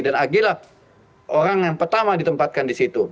dan agh lah orang yang pertama ditempatkan di situ